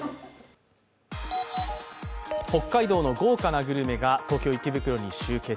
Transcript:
北海道の豪華なグルメが東京・池袋に集結。